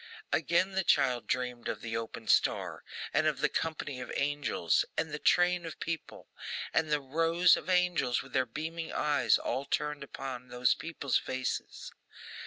Again the child dreamed of the open star, and of the company of angels, and the train of people, and the rows of angels with their beaming eyes all turned upon those people's faces.